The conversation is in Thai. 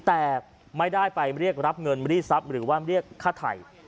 แต่ไม่ได้ไปเรียกรับเงินบริสับหรือว่าเรียกคาถ่าย